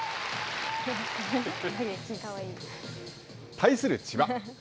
対する千葉。